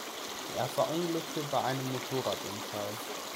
Er verunglückte bei einem Motorradunfall.